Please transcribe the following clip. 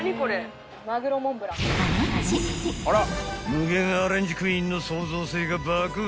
［無限アレンジクイーンの創造性が爆発］